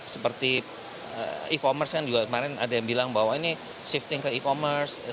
seperti e commerce kan juga kemarin ada yang bilang bahwa ini shifting ke e commerce